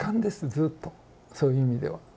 ずっとそういう意味では。